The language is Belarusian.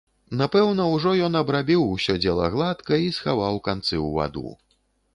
Напэўна, ужо ён абрабіў усё дзела гладка і схаваў канцы ў ваду.